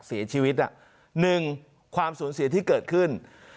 เสียชีวิตหนึ่งความสูญเสียที่เกิดขึ้น